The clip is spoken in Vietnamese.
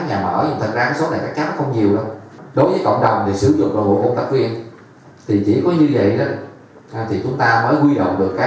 thì chỉ có như vậy thì chúng ta mới quy đồng được các dịch vụ để tham gia